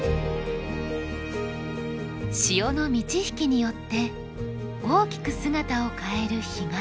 潮の満ち引きによって大きく姿を変える干潟。